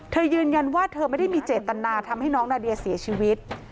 ยืนยันว่าเธอไม่ได้มีเจตนาทำให้น้องนาเดียเสียชีวิต